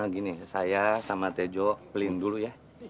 gini saya sama tejo clean dulu ya